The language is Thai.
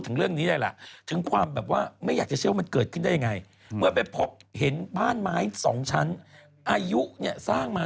โอเคเนาะไหนและใครบ้านเท่านั้นซื้อก็คิดไง